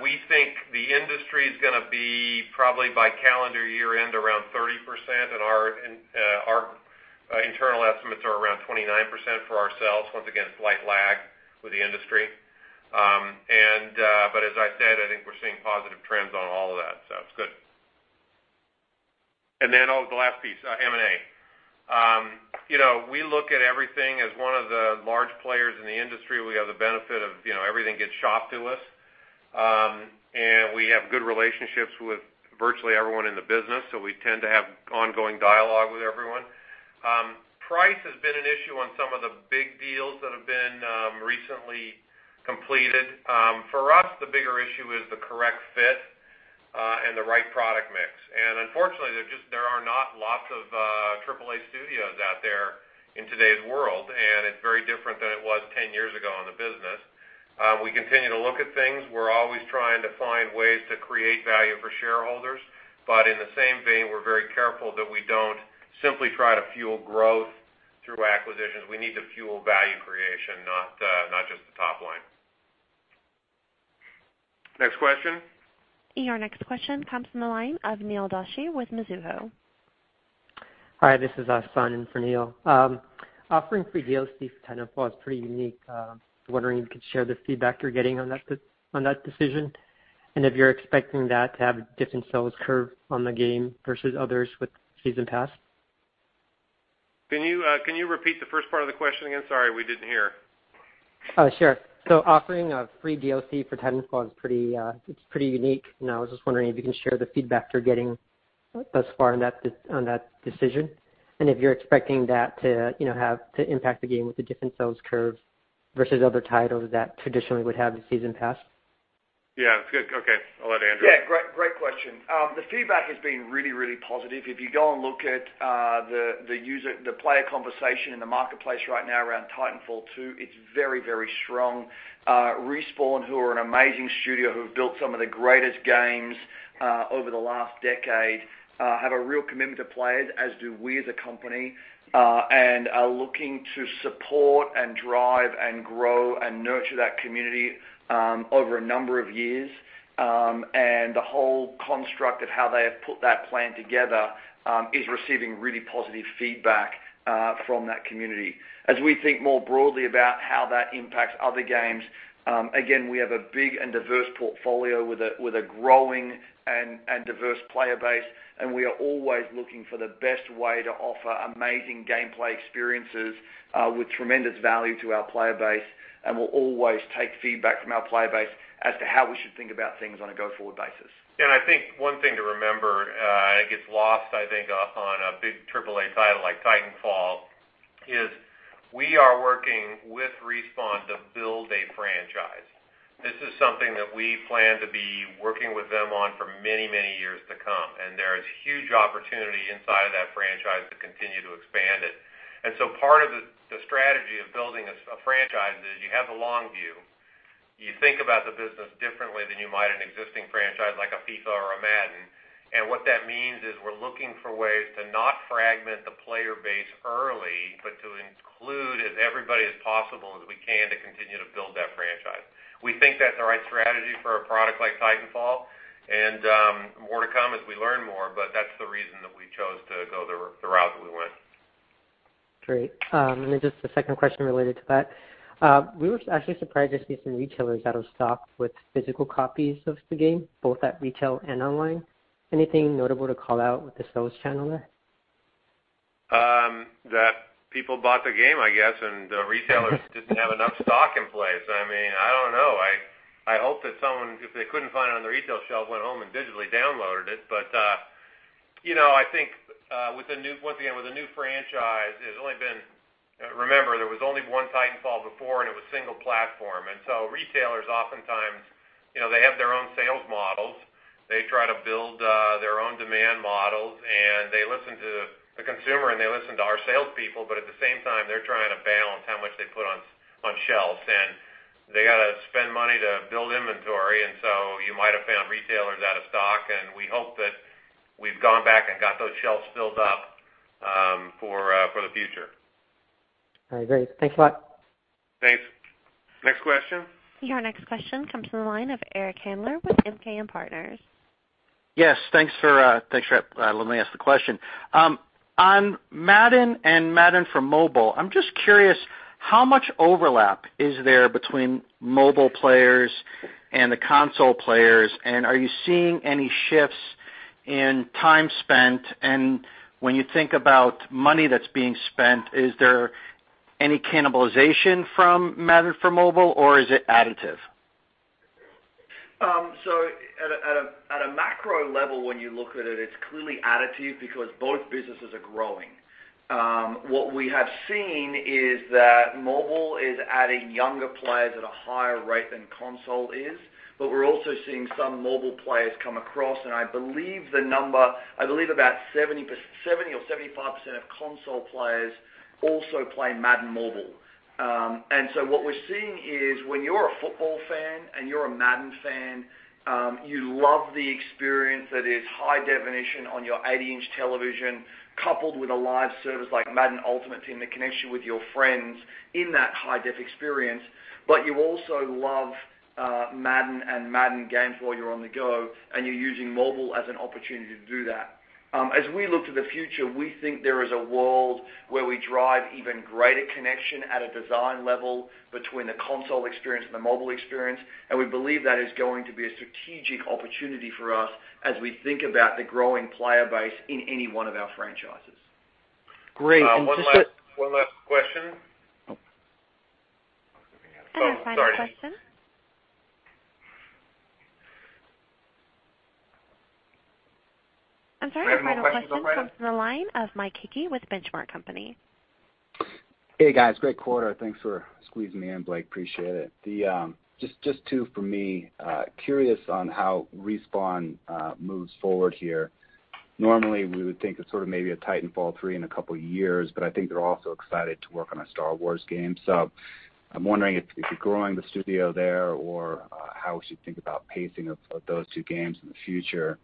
We think the industry's going to be probably by calendar year end around 30%, and our internal estimates are around 29% for ourselves. Once again, slight lag with the industry. As I said, I think we're seeing positive trends on all of that, so it's good. The last piece, M&A. We look at everything as one of the large players in the industry. We have the benefit of everything gets shopped to us. We have good relationships with virtually everyone in the business, so we tend to have ongoing dialogue with everyone. Price has been an issue on some of the big deals that have been recently completed. For us, the bigger issue is the correct fit and the right product mix. Unfortunately, there are not lots of AAA studios out there in today's world, and it's very different than it was 10 years ago in the business. We continue to look at things. We're always trying to find ways to create value for shareholders. In the same vein, we're very careful that we don't simply try to fuel growth through acquisitions. We need to fuel value creation, not just the top line. Next question. Your next question comes from the line of Neil Doshi with Mizuho. Hi, this is Assan in for Neil. Offering free DLC for Titanfall is pretty unique. I'm wondering if you could share the feedback you're getting on that decision, and if you're expecting that to have a different sales curve on the game versus others with Season Pass. Can you repeat the first part of the question again? Sorry, we didn't hear. Sure. Offering a free DLC for Titanfall it's pretty unique, and I was just wondering if you can share the feedback you're getting thus far on that decision, and if you're expecting that to impact the game with a different sales curve versus other titles that traditionally would have the Season Pass. Yeah. It's good. Okay. I'll let Andrew. Yeah. Great question. The feedback has been really positive. If you go and look at the player conversation in the marketplace right now around Titanfall 2, it's very strong. Respawn, who are an amazing studio, who have built some of the greatest games over the last decade have a real commitment to players, as do we as a company, and are looking to support and drive and grow and nurture that community over a number of years. The whole construct of how they have put that plan together is receiving really positive feedback from that community. As we think more broadly about how that impacts other games, again, we have a big and diverse portfolio with a growing and diverse player base, and we are always looking for the best way to offer amazing gameplay experiences with tremendous value to our player base. We'll always take feedback from our player base as to how we should think about things on a go-forward basis. I think one thing to remember, it gets lost, I think, on a big AAA title like Titanfall, is we are working with Respawn to build a franchise. This is something that we plan to be working with them on for many years to come, and there is huge opportunity inside of that franchise to continue to expand it. Part of the strategy of building a franchise is you have a long view. You think about the business differently than you might an existing franchise like a FIFA or a Madden. What that means is we're looking for ways to not fragment the player base early, but to Include as everybody as possible as we can to continue to build that franchise. We think that's the right strategy for a product like Titanfall, and more to come as we learn more. That's the reason that we chose to go the route that we went. Great. Just a second question related to that. We were actually surprised to see some retailers out of stock with physical copies of the game, both at retail and online. Anything notable to call out with the sales channel there? That people bought the game, I guess, and retailers didn't have enough stock in place. I don't know. I hope that someone, if they couldn't find it on the retail shelf, went home and digitally downloaded it. I think with a new franchise, it's only been-- Remember, there was only one Titanfall before, and it was single platform. Retailers oftentimes, they have their own sales models. They try to build their own demand models, and they listen to the consumer, and they listen to our salespeople. At the same time, they're trying to balance how much they put on shelves. They got to spend money to build inventory. You might have found retailers out of stock, and we hope that we've gone back and got those shelves filled up for the future. All right, great. Thanks a lot. Thanks. Next question. Your next question comes from the line of Eric Handler with MKM Partners. Yes. Thanks for letting me ask the question. On Madden and Madden Mobile, I'm just curious how much overlap is there between mobile players and the console players, and are you seeing any shifts in time spent? When you think about money that's being spent, is there any cannibalization from Madden Mobile, or is it additive? At a macro level, when you look at it's clearly additive because both businesses are growing. What we have seen is that mobile is adding younger players at a higher rate than console is. We're also seeing some mobile players come across, and I believe the number, I believe about 70% or 75% of console players also play Madden Mobile. What we're seeing is when you're a football fan and you're a Madden fan, you love the experience that is high definition on your 80-inch television coupled with a live service like Madden Ultimate Team that connects you with your friends in that high def experience. You also love Madden and Madden games while you're on the go, and you're using mobile as an opportunity to do that. As we look to the future, we think there is a world where we drive even greater connection at a design level between the console experience and the mobile experience. We believe that is going to be a strategic opportunity for us as we think about the growing player base in any one of our franchises. Great. Just to. One last question. Oh, sorry. Our final question. Do we have more questions on the line? Comes from the line of Mike Hickey with The Benchmark Company. Hey, guys. Great quarter. Thanks for squeezing me in, Blake. Appreciate it. Just two from me. Curious on how Respawn moves forward here. Normally, we would think of sort of maybe a Titanfall 3 in a couple of years, but I think they're also excited to work on a Star Wars game. I'm wondering if you're growing the studio there or how we should think about pacing of those two games in the future.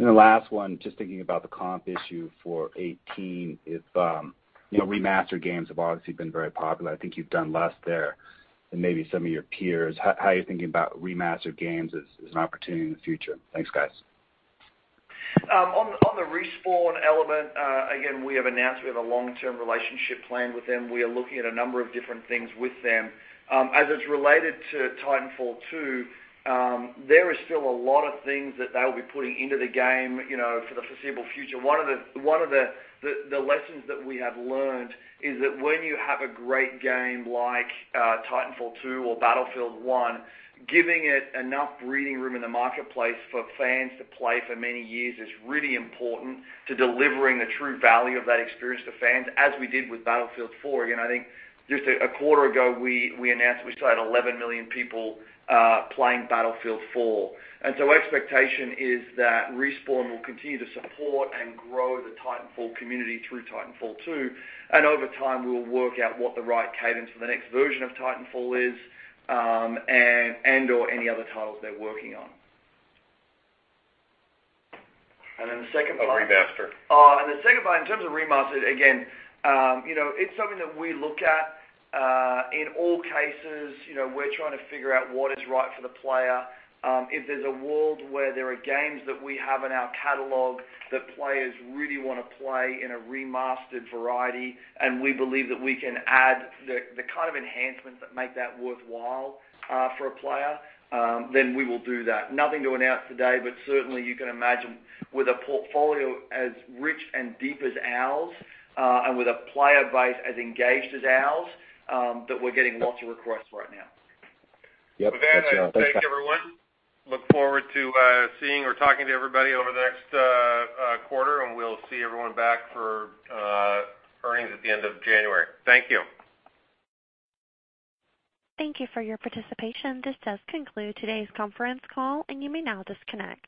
The last one, just thinking about the comp issue for 2018, if remastered games have obviously been very popular. I think you've done less there than maybe some of your peers. How are you thinking about remastered games as an opportunity in the future? Thanks, guys. On the Respawn element, again, we have announced we have a long-term relationship plan with them. We are looking at a number of different things with them. As it's related to Titanfall 2, there is still a lot of things that they'll be putting into the game for the foreseeable future. One of the lessons that we have learned is that when you have a great game like Titanfall 2 or Battlefield 1, giving it enough breathing room in the marketplace for fans to play for many years is really important to delivering the true value of that experience to fans, as we did with Battlefield 4. I think just a quarter ago, we announced we still had 11 million people playing Battlefield 4. Expectation is that Respawn will continue to support and grow the Titanfall community through Titanfall 2. Over time, we'll work out what the right cadence for the next version of Titanfall is and/or any other titles they're working on. The second part. Of remaster. The second part, in terms of remaster, again it's something that we look at. In all cases we're trying to figure out what is right for the player. If there's a world where there are games that we have in our catalog that players really want to play in a remastered variety, and we believe that we can add the kind of enhancements that make that worthwhile for a player, then we will do that. Nothing to announce today, but certainly you can imagine with a portfolio as rich and deep as ours, and with a player base as engaged as ours, that we're getting lots of requests right now. Yep. Thanks. <crosstalk> Thanks, Blake. With that, I thank everyone. Look forward to seeing or talking to everybody over the next quarter. We'll see everyone back for earnings at the end of January. Thank you. Thank you for your participation. This does conclude today's conference call. You may now disconnect.